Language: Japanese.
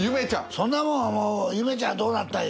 そんなもんはもう夢ちゃんはどうなったんや？